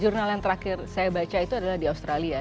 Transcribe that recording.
jurnal yang terakhir saya baca itu adalah di australia